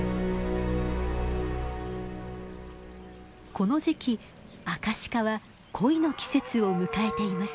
この時期アカシカは恋の季節を迎えています。